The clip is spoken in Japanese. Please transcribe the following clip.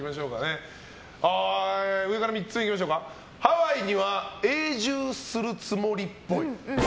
続いてハワイには永住するつもりっぽい。